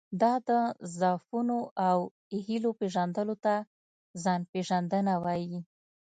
دا د ضعفونو او هیلو پېژندلو ته ځان پېژندنه وایي.